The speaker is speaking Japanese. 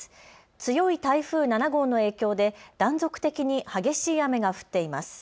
強い台風７号の影響で断続的に激しい雨が降っています。